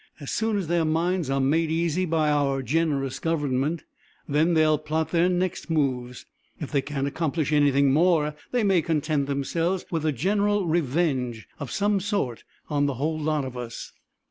As soon as their minds are made easy by our generous government, then they'll plot their next moves. If they can't accomplish anything more, they may content themselves with a general revenge of some sort on the whole lot of us."